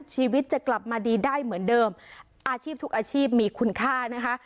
ชีวิตจะกลับมาดีได้เหมือนเดิมอาชีพทุกอาชีพมีคุณค่านะคะ